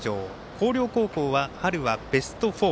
広陵高校は春はベスト４。